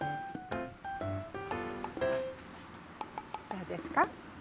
どうですか？